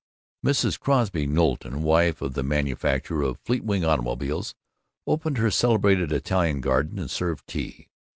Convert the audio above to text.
Mrs. Crosby Knowlton, wife of the manufacturer of Fleetwing Automobiles, opened her celebrated Italian garden and served tea.